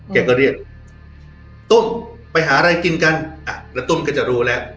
แกก็เรียกตุ้มไปหาอะไรกินกันอ่ะแล้วตุ้มก็จะรู้แล้ว